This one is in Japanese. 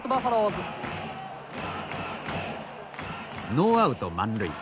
ノーアウト満塁。